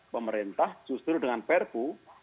pemerintah justru dengan perpu